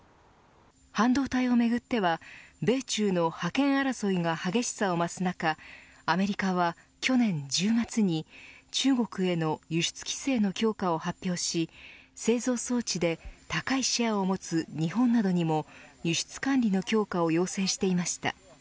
半導体をめぐっては米中の覇権争いが激しさを増す中アメリカは去年１０月に中国への輸出規制の強化を発表し製造装置で高いシェアを持つ日本などにも輸出管理の強化を要請していました。